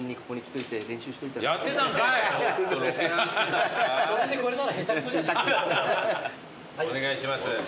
お願いします。